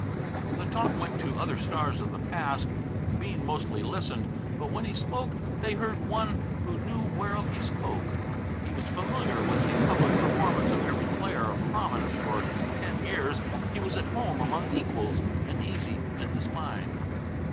The talk went to other stars of the past. Bean mostly listened, but when he spoke they heard one who knew whereof he spoke. He was familiar with the public performance of every player of prominence for ten years. He was at home, among equals, and easy in his mind.